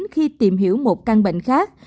khi tìm hiểu một căn bệnh khác